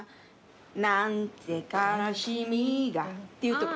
「なんて悲しみが」っていうとこ